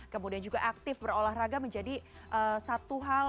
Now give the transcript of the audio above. kemudian juga aktif berolahraga menjadi satu hal